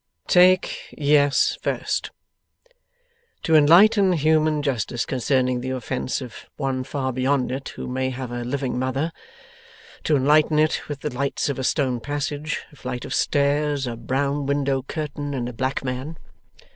'Take yes, first. To enlighten human Justice concerning the offence of one far beyond it who may have a living mother. To enlighten it with the lights of a stone passage, a flight of stairs, a brown window curtain, and a black man.